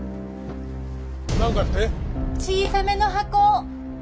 小さめの箱。